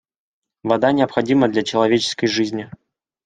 Вода необходима для человеческой жизни.